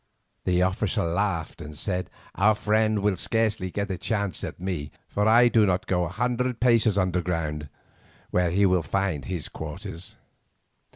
The officer laughed and said: "Our friend will scarcely get a chance at me, for I do not go a hundred paces underground, where he will find his quarters.